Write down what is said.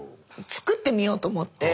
作ってみようと思って。